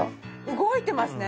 動いてますね。